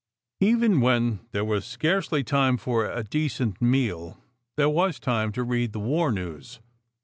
Even when there was scarcely time for a decent meal, there was time to read the war news.